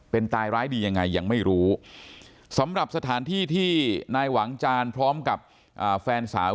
เป็นตายร้ายดียังไงยังไม่รู้สำหรับสถานที่ที่นายหวังจานพร้อมกับแฟนสาว